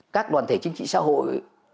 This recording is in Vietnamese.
các đoàn thể chính trị xã hội